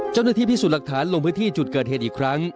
เจ้าหน้าที่พิสูจน์หลักฐานลงพื้นที่จุดเกิดเหตุอีกครั้ง